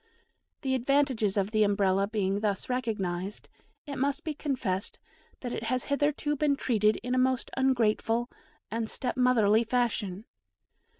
The advantages of the Umbrella being thus recognised, it must be confessed that it has hitherto been treated in a most ungrateful and step motherly fashion.